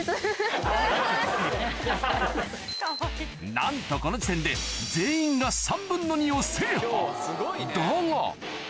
なんとこの時点で全員が３分の２を制覇だが！